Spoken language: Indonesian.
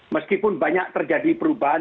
meskipun banyak terjadi perubahan